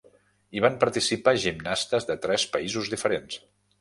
Hi van participar gimnastes de tres països diversos.